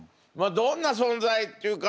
どんな存在っていうか